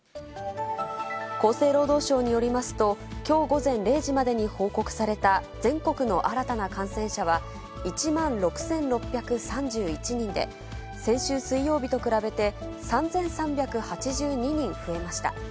厚生労働省によりますと、きょう午前０時までに報告された、全国の新たな感染者は、１万６６３１人で、先週水曜日と比べて、３３８２人増えました。